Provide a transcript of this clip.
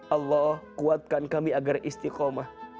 allah kuatkan kami agar istiqomah